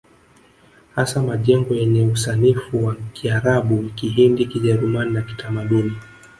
Hasa majengo yenye usanifu wa Kiarabu Kihindi Kijerumani na Kitamaduni